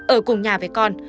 ở cùng nhà với con